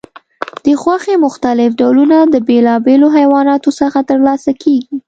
د غوښې مختلف ډولونه د بیلابیلو حیواناتو څخه ترلاسه کېږي.